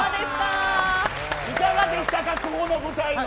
いかがでしたか、今日の舞台は。